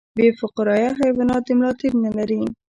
بې فقاریه حیوانات د ملا تیر نلري